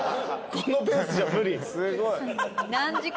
このペースじゃ無理ですか？